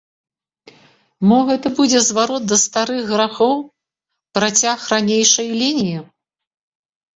Мо гэта будзе зварот да старых грахоў, працяг ранейшае лініі?